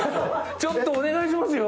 ちょっと、お願いしますよ。